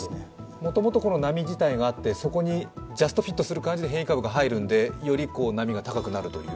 もともと波自体があって、そこにジャストフィットする感じで変異株が入るので、より波が高くなると？